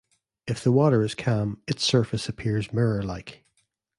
If the water is calm, its surface appears mirror-like.